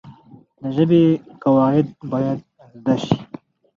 د ژبي قواعد باید زده سي.